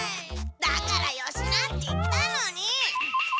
だからよしなって言ったのに。